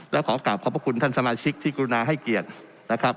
แล้วขอกลับขอบพระคุณท่านสมาชิกที่กรุณาให้เกียรตินะครับ